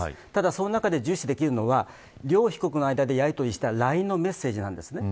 その中で重視できるのは両被告の間でやりとりしたＬＩＮＥのメッセージです。